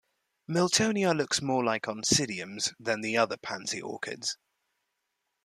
"Miltonia" looks more like "Oncidiums" than the other pansy orchids.